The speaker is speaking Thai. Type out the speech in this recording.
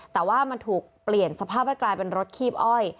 แต่ว่ามันถูกเปลี่ยนสภาพให้กลายเป็นรถคีบอ้อย